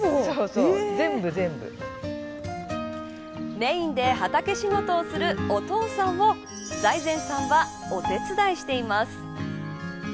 メーンで畑仕事をするお父さんを財前さんはお手伝いしています。